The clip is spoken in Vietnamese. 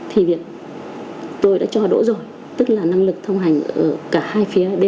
thì việc tôi đã cho đổ rồi tức là năng lực thông hành ở cả hai phía đều dư thừa rồi